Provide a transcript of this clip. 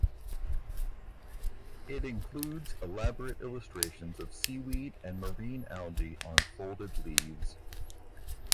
It includes elaborate illustrations of seaweed and marine algae on folded leaves.